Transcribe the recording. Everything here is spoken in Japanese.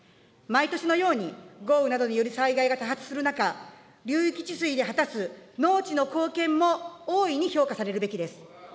毎年のように豪雨などにより災害が多発する中、流域治水で果たす、農地の貢献も大いに評価されるべきです。